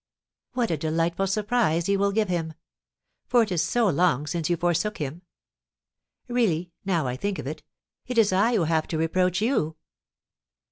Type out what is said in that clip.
What a delightful surprise you will give him! For it is so long since you forsook him. Really, now I think of it, it is I who have to reproach you."